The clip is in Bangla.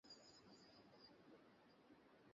মার্কিন যুক্তরাষ্ট্রের প্রেসিডেন্ট কে?